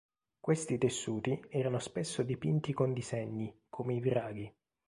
Questi tessuti erano spesso dipinti con disegni, come i draghi.